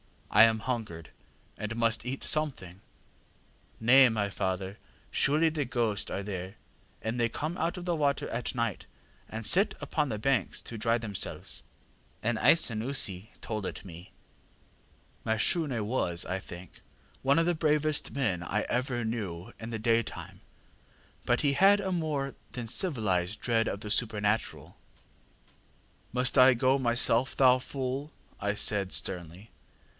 I am hungered, and must eat something. ŌĆÖ ŌĆ£ŌĆśNay, my father; surely the ghosts are there; they come out of the water at night, and sit upon the banks to dry themselves. An Isanusi[*] told it me. ŌĆÖ [*] Isanusi, witch finder. ŌĆ£Mashune was, I think, one of the bravest men I ever knew in the daytime, but he had a more than civilized dread of the supernatural. ŌĆ£ŌĆśMust I go myself, thou fool? ŌĆÖ I said, sternly.